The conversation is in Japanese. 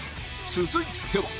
続いては